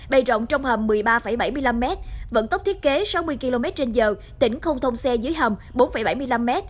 bày rộng trong hầm một mươi ba bảy mươi năm m vận tốc thiết kế sáu mươi km trên giờ tỉnh không thông xe dưới hầm bốn bảy mươi năm m